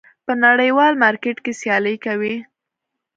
په نړیوال مارکېټ کې سیالي کوي.